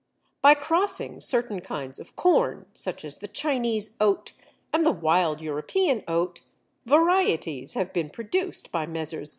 By crossing certain kinds of corn, such as the Chinese Oat and the wild European Oat, varieties have been produced by Messrs.